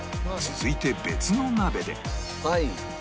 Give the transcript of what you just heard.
続いて別の鍋で